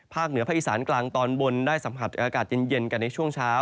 เหนือภาคอีสานกลางตอนบนได้สัมผัสอากาศเย็นกันในช่วงเช้า